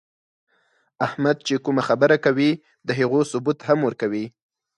احمد چې کومه خبره کوي، د هغو ثبوت هم ورکوي.